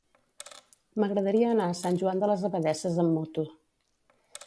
M'agradaria anar a Sant Joan de les Abadesses amb moto.